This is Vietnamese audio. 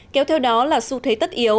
kéo theo đó là xu thế tất yếu